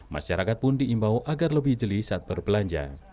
masyarakat pun diimbau agar lebih jeli saat berbelanja